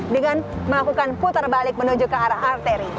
dengan melakukan putar balik menuju ke arah arteri